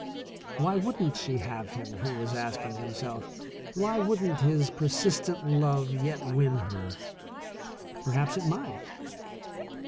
Why wouldn't she have him ? he was ask ing himself. Why wouldn't his persistent love yet win her? Perhaps it might.